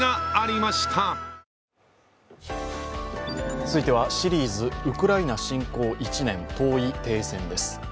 続いてはシリーズ「ウクライナ侵攻１年遠い停戦」です。